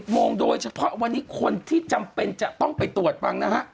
โมงโดยเฉพาะวันนี้คนที่จำเป็นจะต้องไปตรวจฟังนะฮะ